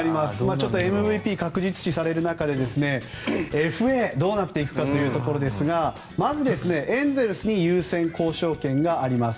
ちょっとＭＶＰ確実視される中でＦＡどうなっていくかというところですがまずエンゼルスに優先交渉権があります。